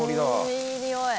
いいにおい。